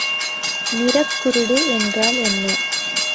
நிறக்குருடு என்றால் என்ன?